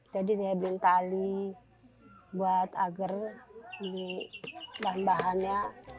jadi saya beli tali buat agar ini tambahannya